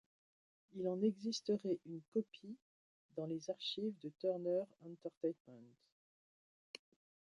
Il en existerait une copie dans les archives de Turner Entertainment.